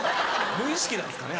無意識なんですかね